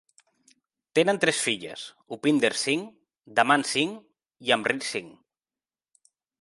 Tenen tres filles, Upinder Singh, Daman Singh i Amrit Singh.